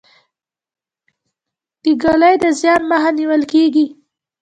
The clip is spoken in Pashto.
د ږلۍ د زیان مخه نیول کیږي.